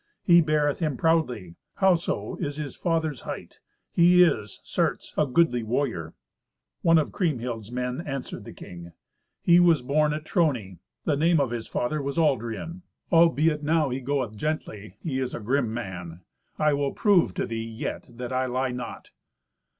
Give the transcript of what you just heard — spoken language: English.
He beareth him proudly. Howso is his father hight, he is, certes, a goodly warrior." One of Kriemhild's men answered the king, "He was born at Trony. The name of his father was Aldrian. Albeit now he goeth gently, he is a grim man. I will prove to thee yet that I lie not."